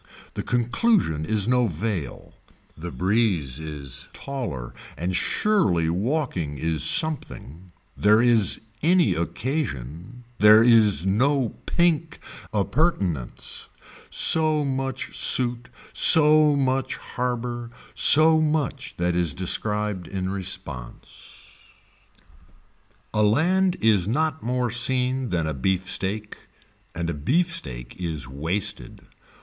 The conclusion is no veil, the breeze is taller and surely walking is something, there is any occasion, there is no pink appurtenance, so much suit, so much harbor, so much that is described in response. A land is not more seen than a beefsteak and a beefsteak is wasted.